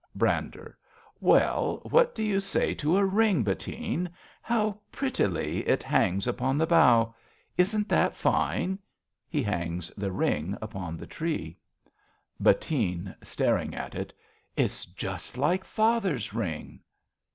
Brander. Well, what do you say to a ring, Bettine ? How prettily it hangs upon the bough ! Isn't that fine? (He hangs the ring upon the tree.) 43 RADA Bettine {staring at it). It's just like father's ring